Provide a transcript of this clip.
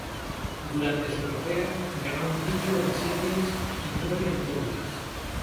Durante su carrera ganó un título en singles y nueve en dobles.